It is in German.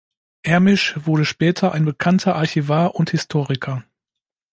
Ermisch wurde später ein bekannter Archivar und Historiker.